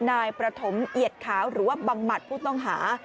นายประถมเอียดขาวหรือว่าบังหมัดผู้ต้องหา